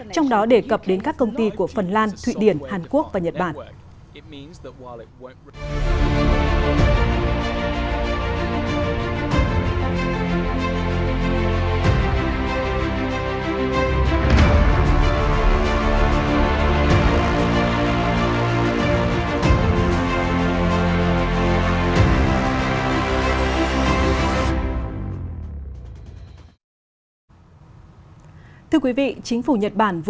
trong đó đề cập đến các công ty của phần lan thụy điển hàn quốc và nhật bản